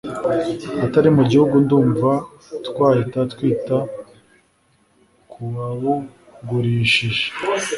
atari mu gihugu ndumva twahita twita kuwabugurishije